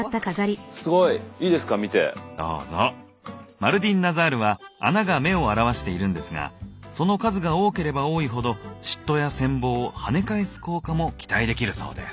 マルディンナザールは穴が目を表しているんですがその数が多ければ多いほど嫉妬や羨望をはね返す効果も期待できるそうです。